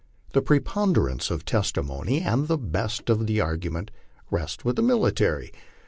The preponderance of testimony and the best of the argument rest with the military.